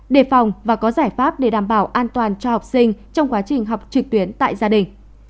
đề phòng và có giải pháp để đảm bảo an toàn cho học sinh trong quá trình học trực tuyến tại gia đình